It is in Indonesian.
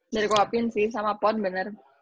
dari coach apin sih sama pon bener